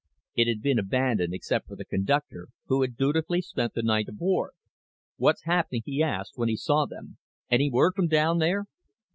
It had been abandoned except for the conductor, who had dutifully spent the night aboard. "What's happening?" he asked when he saw them. "Any word from down there?"